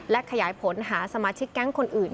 และขยายผลหาสมาชิกแก๊งคนอื่น